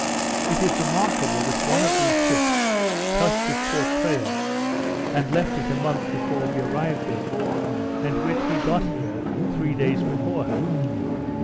It is remarkable that one of these ships touched at Port Praya, and left it a month before we arrived there; and yet we got here three days before her.